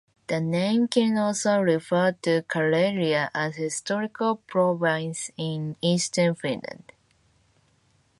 The name can also refer to Karelia, a historical province in eastern Finland.